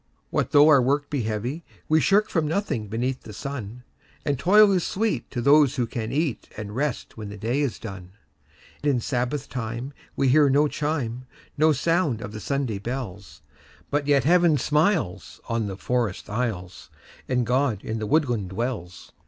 What though our work he heavy, we shirkFrom nothing beneath the sun; And toil is sweet to those who can eatAnd rest when the day is done.In the Sabbath time we hear no chime, No sound of the Sunday bells; But yet Heaven smiles on the forest aisles, And God in the woodland dwells.